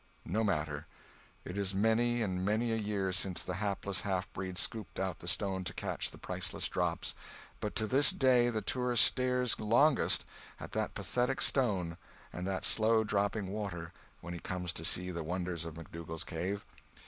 No matter. It is many and many a year since the hapless half breed scooped out the stone to catch the priceless drops, but to this day the tourist stares longest at that pathetic stone and that slow dropping water when he comes to see the wonders of McDougal's cave.